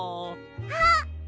あっ！